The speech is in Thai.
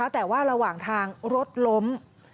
แต่ว่าระหว่างทางรถล้ม